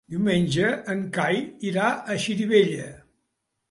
Diumenge en Cai irà a Xirivella.